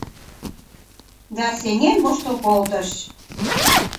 Да сеҥен воштыл колтыш...